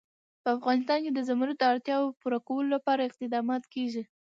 په افغانستان کې د زمرد د اړتیاوو پوره کولو لپاره اقدامات کېږي.